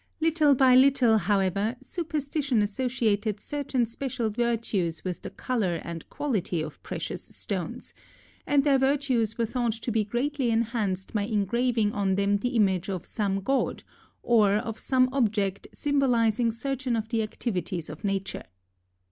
Little by little, however, superstition associated certain special virtues with the color and quality of precious stones, and their virtues were thought to be greatly enhanced by engraving on them the image of some god, or of some object symbolizing certain of the activities of nature.